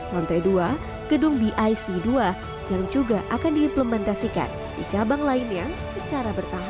lantai dua gedung bic dua yang juga akan diimplementasikan di cabang lainnya secara bertahap